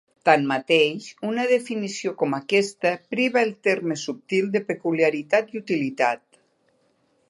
Tanmateix, una definició com aquesta priva el terme subtil de peculiaritat i utilitat.